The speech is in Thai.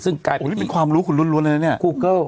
ซึ่งกลายเป็นที่โอ้โฮนี่เป็นความรู้ขึ้นรุนเลยนะเนี่ย